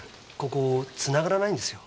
ここ繋がらないんですよ。